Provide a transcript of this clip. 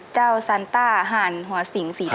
เจ้าซานต้าห่านหัวสิงสีเทา